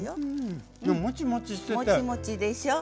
もちもちでしょ。